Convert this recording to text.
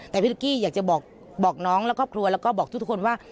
แต่พี่ตุ๊กกี้อยากจะบอกน้องและครอบครัวแล้วก็บอกทุกคนว่า